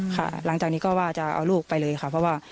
หลังจากนี้ก็ว่าจะเอาลูกไปเลยค่ะเพราะว่า